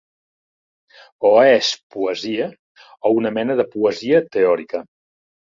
O és poesia, o una mena de poesia teòrica.